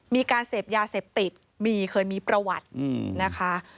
มีการเสพยาเสพติดมีเคยมีประวัตินะคะ